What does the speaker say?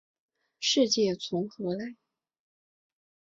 世界从何来？